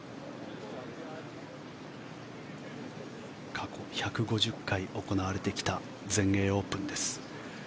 過去１５０回行われてきた全英オープンです。